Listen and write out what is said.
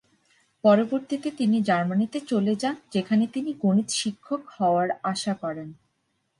পরবর্তীতে তিনি জার্মানিতে চলে যান, যেখানে তিনি গণিতের শিক্ষক হওয়ার আশা করেন।